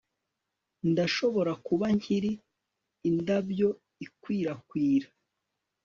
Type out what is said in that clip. Ndashobora kuba nkiri indabyo ikwirakwira